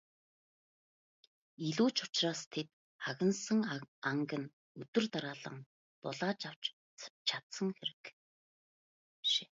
Илүү ч учраас тэд агнасан анг нь өдөр дараалан булааж авч чадсан хэрэг.